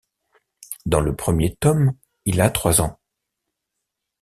Dans le premier tome, il a trois ans.